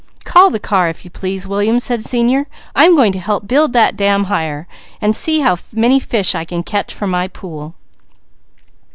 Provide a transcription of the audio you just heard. "Call the car, if you please, William," said Senior. "I am going to help build that dam higher, and see how many fish I can catch for my pool."